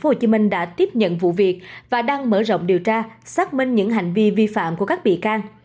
cơ quan cảnh sát điều tra công an tp hcm đã tiếp nhận vụ việc và đang mở rộng điều tra xác minh những hành vi vi phạm của các bị can